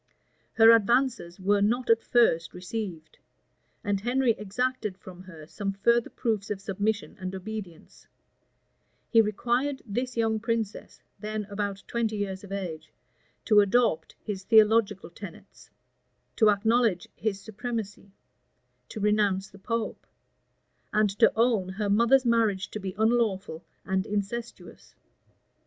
Her advances were not at first received; and Henry exacted from her some further proofs of submission and obedience: he required this young princess, then about twenty years of age, to adopt his theological tenets; to acknowledge his supremacy; to renounce the pope; and to own her mother's marriage to be unlawful and incestuous.